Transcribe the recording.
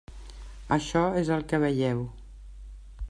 Això és el que veieu.